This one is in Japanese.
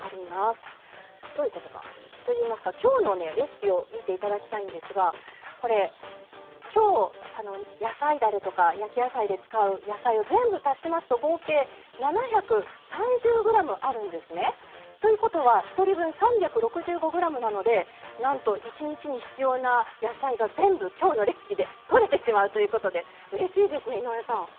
どういうことかといいますときょうのレシピを見て頂きたいんですがこれきょう野菜だれとか焼き野菜で使う野菜を全部足しますと合計７３０ｇあるんですね。ということは１人分３６５ｇなのでなんと１日に必要な野菜が全部きょうのレシピでとれてしまうということでうれしいですね井上さん。